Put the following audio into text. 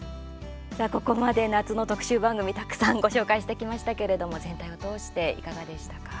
ここまで夏の特集番組たくさんご紹介してきましたけれども全体を通していかがでしたか？